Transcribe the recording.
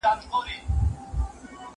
هغه وویل چې زه درس لولم،